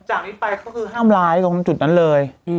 จากนี้ไปก็คือห้ามร้ายตรงจุดนั้นเลย